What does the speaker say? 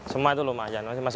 mengurangi kena ac itu mas